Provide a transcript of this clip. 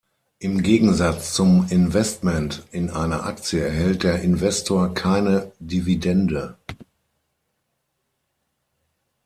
Im Gegensatz zum Investment in eine Aktie erhält der Investor keine Dividende.